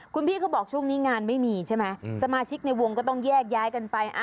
คุณพี่เขาบอกช่วงนี้งานไม่มีใช่ไหมสมาชิกในวงก็ต้องแยกย้ายกันไป